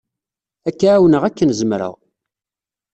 Ad k-ɛawneɣ akken zemreɣ.